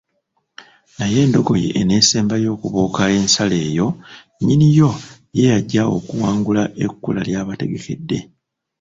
Naye endogoyi enaasembayo okubuuka ensalo eyo nnyini yo ye ajja okuwangula ekkula ly’abategekedde.